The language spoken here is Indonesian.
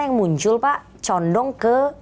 yang muncul pak condong ke